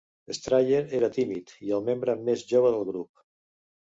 Strayer era tímid, i el membre més jove del grup.